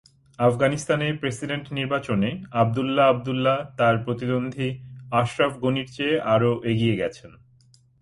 আফগানিস্তানে প্রেসিডেন্ট নির্বাচনে আবদুল্লাহ আবদুল্লাহ তাঁর প্রতিদ্বন্দ্বী আশরাফ গনির চেয়ে আরও এগিয়ে গেছেন।